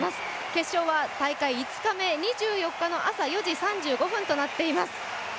決勝は大会５日目、２４日の朝４時３５分となっています。